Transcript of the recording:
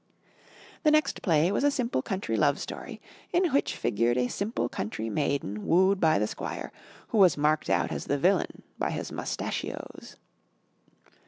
The next play was a simple country love story, in which figured a simple country maiden wooed by the squire, who was marked out as the villain by his moustachios.